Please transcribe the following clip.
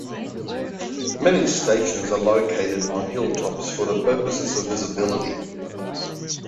Many stations are located on hilltops for the purposes of visibility.